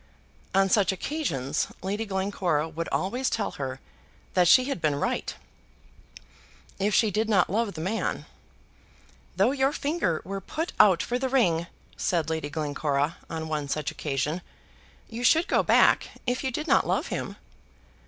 On such occasions Lady Glencora would always tell her that she had been right, if she did not love the man. "Though your finger were put out for the ring," said Lady Glencora on one such occasion, "you should go back, if you did not love him."